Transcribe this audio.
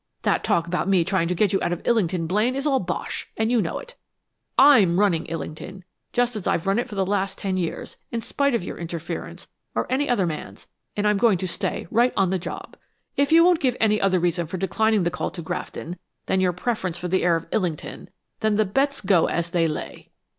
That talk about me trying to get you out of Illington, Blaine, is all bosh, and you know it. I'm running Illington just as I've run it for the last ten years, in spite of your interference or any other man's, and I'm going to stay right on the job! If you won't give any other reason for declining the call to Grafton, than your preference for the air of Illington, then the bets go as they lay!"